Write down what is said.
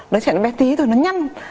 đứa trẻ nó bé tí rồi nó nhăn